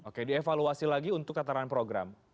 oke dievaluasi lagi untuk tataran program